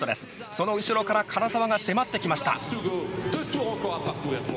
その後ろから唐澤が迫ってきました。